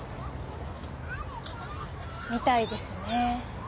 みたいですね。